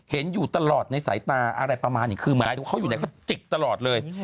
เห็นอยู่ตลอดในสายตาอะไรประมาณนี้คือเหมือนกับเขาอยู่ไหนก็จิกตลอดเลย